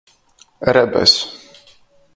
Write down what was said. Rebes.